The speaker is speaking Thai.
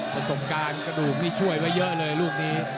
ประสบการณ์กระดูกนี่ช่วยไว้เยอะเลยลูกนี้